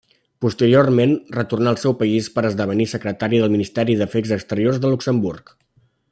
Posteriorment retornà al seu país per esdevenir Secretari del Ministeri d'Afers Exteriors de Luxemburg.